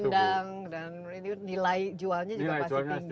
dan nilai jualnya juga pasti tinggi